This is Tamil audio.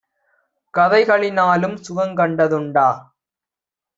கதைகளி னாலும் சுகங்கண்ட துண்டா?